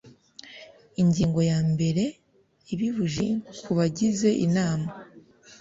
ingingo ya mbere ibibujijwe ku bagize inama